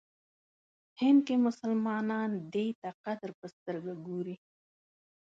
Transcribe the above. هند کې مسلمانان دی ته قدر په سترګه ګوري.